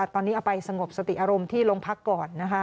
ตอนนี้ไปสงบสติอารมณ์ที่ลงพักก่อนนะคะ